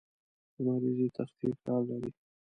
لمریزې تختې کار لري.